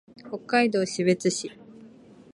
北海道士別市